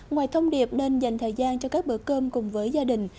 ngoài thông điệp nên dành thời gian cho các bữa cơm cùng với gia đình